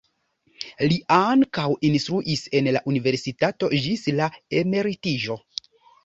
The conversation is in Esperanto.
Li ankaŭ instruis en la universitato ĝis la emeritiĝo.